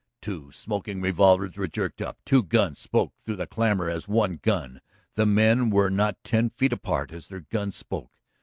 Two smoking revolvers were jerked up, two guns spoke through the clamor as one gun. The men were not ten feet apart as their guns spoke.